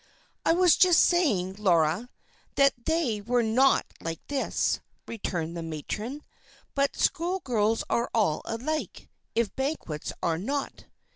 "I was just saying, Laura, that they were not like this," returned the matron. "But schoolgirls are all alike, if banquets are not."